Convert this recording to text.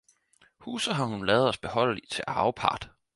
Huset har hun ladet os beholde til arvepart!